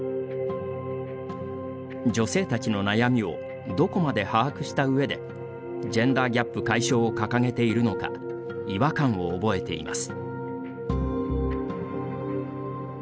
女性たちの悩みをどこまで把握したうえでジェンダーギャップ解消を掲げているのか違和感を覚えています。